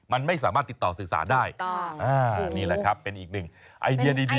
มันไม่สามารถติดต่อสื่อสารได้นี่แหละครับเป็นอีกหนึ่งไอเดียดี